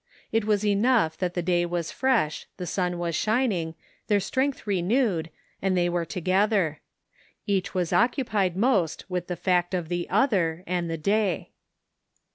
It was enough that the day was fresh, the sun was shining, their strength renewed, and they were together. Each was occupied most with the fact of the other and the day.